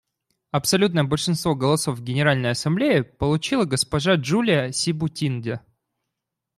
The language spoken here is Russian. Абсолютное большинство голосов в Генеральной Ассамблее получила госпожа Джулия Себутинде.